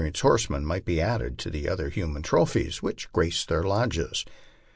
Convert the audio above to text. perinced horsemen might be added to the other human trophies which grace their lodges?